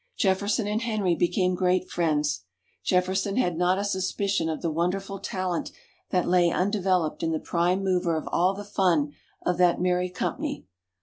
Jefferson and Henry became great friends. Jefferson had not a suspicion of the wonderful talent that lay undeveloped in the prime mover of all the fun of that merry company.